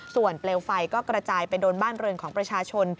ส่วนเปลวไฟก็กระจายไปโดนบ้านเรือนของประชาชน